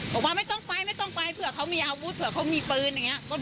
บอกว่าไม่ต้องไปไม่ต้องไปเผื่อเขามีอาวุธเผื่อเขามีปืนอย่างนี้